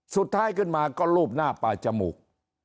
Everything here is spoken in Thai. สุดท้ายขึ้นมาก็รูปหน้าปลาจมูก